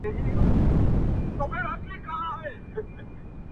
د گور شپه نه پر کور کېږي.